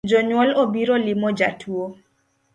Jonyuol obiro limo jatuo